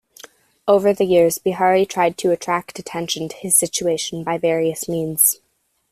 Over the years Bihari tried to attract attention to his situation by various means.